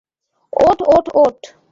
ওঠ, ওঠ, ওঠ।